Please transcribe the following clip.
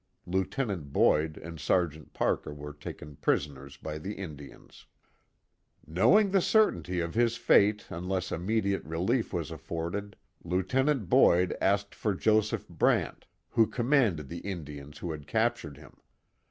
Lieutenant Boyd and Sergeant Parker were taken prisoners by the Indians: Accounts of the Notorious Butler Family 227 Knowing the certainty of his fate unless immediate relief was afforded, Lieut. Boyd asked for Joseph Brant, who commanded the Indians who had captured him.